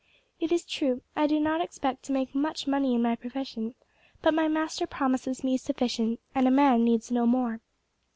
It is true, I do not expect to make much money in my profession, but my Master promises me sufficient, and a man needs no more.